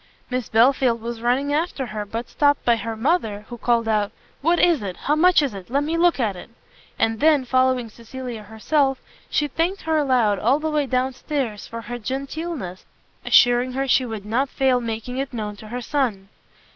Miss Belfield was running after her, but stopt by her mother, who called out, "What is it? How much is it? Let me look at it!" And then, following Cecilia herself, she thanked her aloud all the way down stairs for her genteelness, assuring her she would not fail making it known to her son.